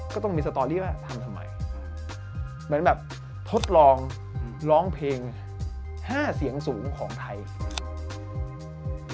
ก็ต้องมีสตอรี่ว่าทำทำไมเหมือนแบบทดลองร้องเพลง๕เสียงสูงของไทย